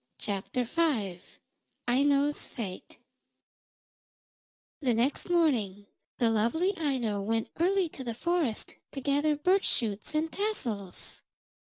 AINO'S FATE The next morning the lovely Aino went early to the forest to gather birch shoots and tassels.